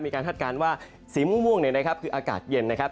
คาดการณ์ว่าสีม่วงเนี่ยนะครับคืออากาศเย็นนะครับ